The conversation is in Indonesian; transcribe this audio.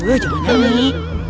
eh jangan nyari